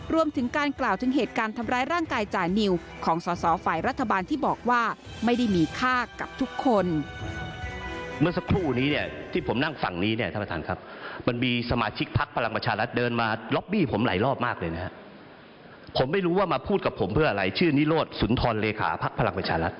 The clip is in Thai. รวมถึงการกล่าวถึงเหตุการณ์ทำร้ายร่างกายจานิวของสอสอฝ่ายรัฐบาลที่บอกว่าไม่ได้มีค่ากับทุกคน